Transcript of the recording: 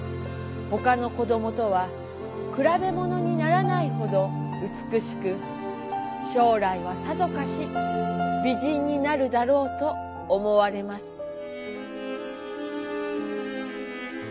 ほかの子どもとはくらべ物にならないほど美しく将来はさぞかし美人になるだろうと思われます」。